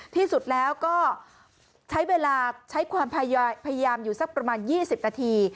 ที่สุดแล้วก็ใช้เวลาใช้ความพยายามอยู่สักประมาณ๒๐นาที